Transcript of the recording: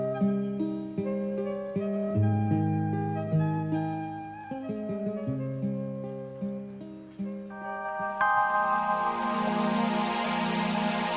dan mereka yang ruksak kawit kiram